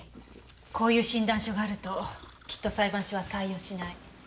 こういう診断書があるときっと裁判所は採用しない。